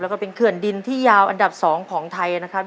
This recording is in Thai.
แล้วก็เป็นเขื่อนดินที่ยาวอันดับ๒ของไทยนะครับ